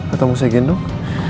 atau mau saya gendong